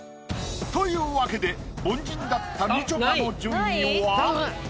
というわけで凡人だったみちょぱの順位は。